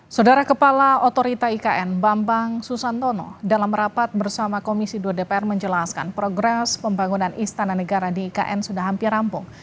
saudara kepala otorita ikn bambang susantono dalam rapat bersama komisi dua dpr menjelaskan progres pembangunan istana negara di ikn sudah hampir rampung